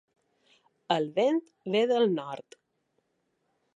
El vent ve del nord.